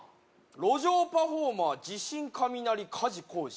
「路上パフォーマー」「地震雷梶コウジ」